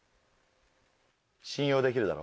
信用できるだろ？